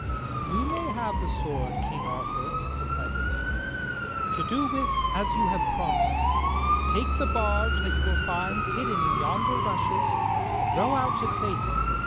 ] 28 THE STORY OF KING ARTHUR "You may have the sword, King Arthur," replied the Lady, "to do with as you have promised. Take the barge that you will find hidden in yonder rushes, and row out to claim it.